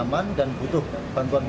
kemudian alhamdulillah mulai pecahan ini